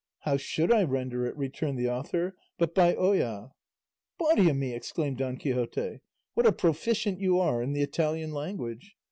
"How should I render it," returned the author, "but by olla?" "Body o' me," exclaimed Don Quixote, "what a proficient you are in the Italian language!